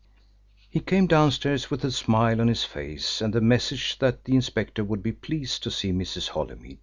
He came downstairs with a smile on his face and the message that the inspector would be pleased to see Mrs. Holymead.